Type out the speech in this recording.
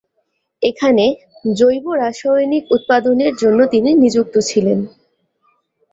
এখানে জৈব রাসায়নিক উৎপাদনের জন্য তিনি নিযুক্ত ছিলেন।